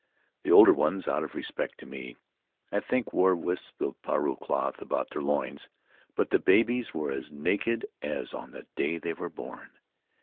The older ones, out of respect to me, I think, wore wisps of parou cloth about their loins, but the babies were as naked as on the day they were born.